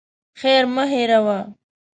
خير مه هېروه.